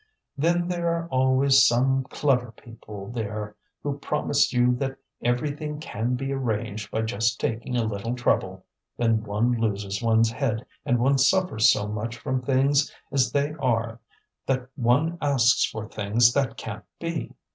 "Then there are always some clever people there who promise you that everything can be arranged by just taking a little trouble. Then one loses one's head, and one suffers so much from things as they are that one asks for things that can't be.